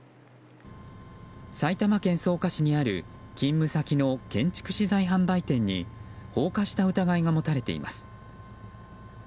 埼玉県草加市にある勤務先の建築資材販売店に放火した疑いが持たれています。